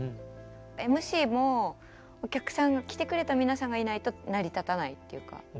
ＭＣもお客さんが来てくれた皆さんがいないと成り立たないっていうか